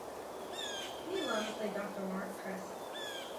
Nealon played Doctor Mark Crest.